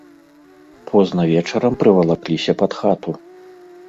Позна вечарам прывалакліся пад хату.